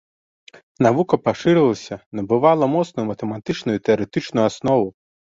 Навука пашыралася, набывала моцную матэматычную і тэарэтычную аснову.